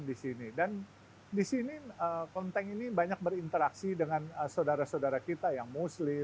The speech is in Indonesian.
dan di sini kelenteng ini banyak berinteraksi dengan saudara saudara kita yang muslim